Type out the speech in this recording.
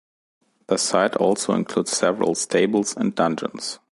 The site also includes several stables and dungeons.